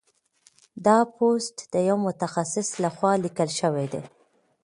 دا پوسټ د یو متخصص لخوا لیکل شوی دی.